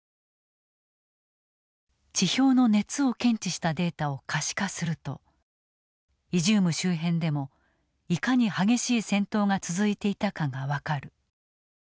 地表の熱を検知したデータを可視化するとイジューム周辺でもいかに激しい戦闘が続いていたかが分かる。